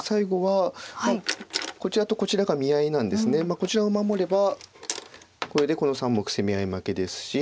こちらを守ればこれでこの３目攻め合い負けですし。